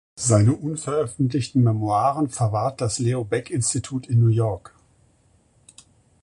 Seine unveröffentlichten Memoiren verwahrt das Leo Baeck Institut in New York.